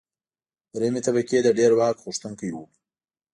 درېیمې طبقې د ډېر واک غوښتونکي وو.